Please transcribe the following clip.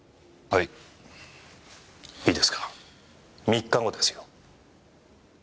いいですか３日後ですよ！